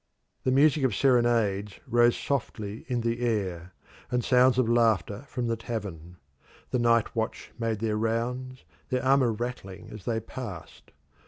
The music of serenades rose softly in the air, and sounds of laughter from the tavern. The night watch made their rounds, their armour rattling as they passed.